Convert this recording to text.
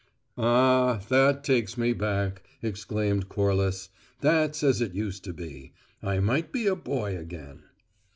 "Ah, that takes me back!" exclaimed Corliss. "That's as it used to be. I might be a boy again."